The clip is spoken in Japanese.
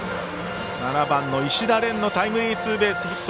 ７番の石田恋のタイムリーツーベースヒット。